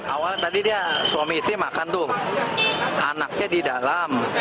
awalnya tadi dia suami istri makan tuh anaknya di dalam